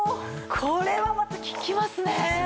これはまた効きますね。